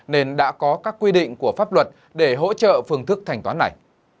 nên đã có các quy định của pháp luật để hỗ trợ phương thức thanh toán này